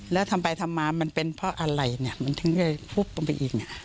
แล้วทำไปทำมามันเป็นเพราะอะไรเนี่ยมันถึงได้พุบลงไปอีก